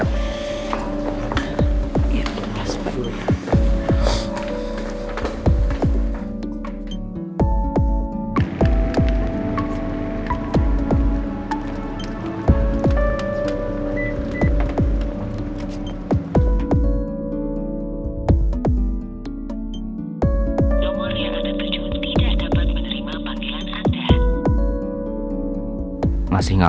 terus berdua ya